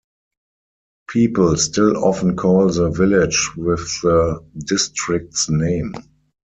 People still often call the village with the district's name.